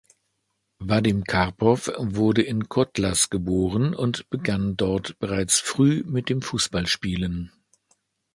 Wadim Karpow wurde in Kotlas geboren und begann dort bereits früh mit dem Fußballspielen.